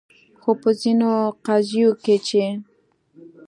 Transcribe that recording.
خو په ځینو قضیو کې چې